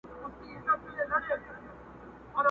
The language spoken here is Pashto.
عطر دي د ښار پر ونو خپور کړمه،